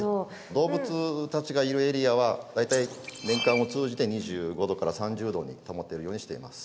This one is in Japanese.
動物たちがいるエリアは大体年間を通じて２５℃から３０℃に保てるようにしています。